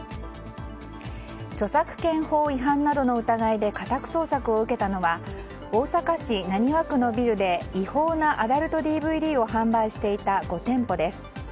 著作権法違反などの疑いで家宅捜索を受けたのは大阪市浪速区のビルで違法なアダルトＤＶＤを販売していた５店舗です。